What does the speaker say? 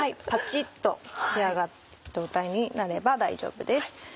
パチっと仕上がった状態になれば大丈夫です。